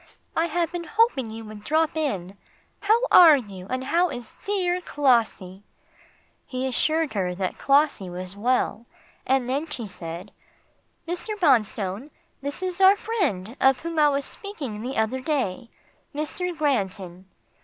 I have been hoping you would drop in. How are you, and how is dear Clossie?" He assured her that Clossie was well, and then she said, "Mr. Bonstone, this is our friend of whom I was speaking the other day Mr. Granton."